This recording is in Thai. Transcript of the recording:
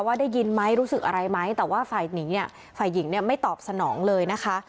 ว่าได้ยินไหมรู้สึกอะไรไหมแต่ว่าฝ่ายหญิงไม่ตอบสนองเลยนะคะ